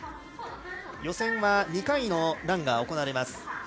予選は２回のランが行われます。